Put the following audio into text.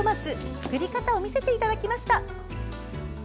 作り方を見せていただきました。